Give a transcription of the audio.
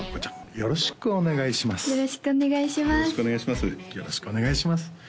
よろしくお願いします